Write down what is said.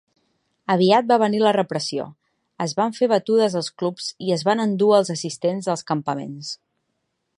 Aviat va venir la repressió: es van fer batudes als clubs i es van endur els assistents als campaments.